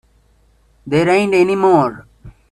There ain't any more.